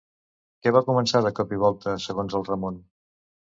Què va començar de cop i volta, segons el Ramon?